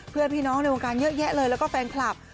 เพื่อนพี่น้องในวงการเยอะแยะเลยแล้วก็แฟนคลับ